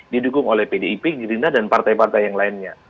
didukung oleh pdip gerindra dan partai partai yang lainnya